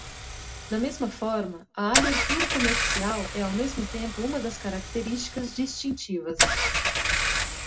Da mesma forma, a abertura comercial é ao mesmo tempo uma das características distintivas.